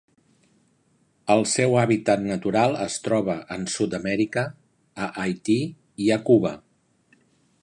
El seu hàbitat natural es troba en Sud-amèrica, a Haití i a Cuba.